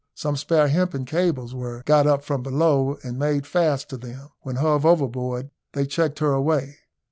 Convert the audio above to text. Some spare hempen cables were got up from below, and made fast to them; when hove overboard they checked her way.